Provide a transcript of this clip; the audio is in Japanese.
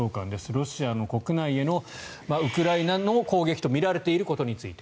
ロシア国内へのウクライナの攻撃とみられていることについて。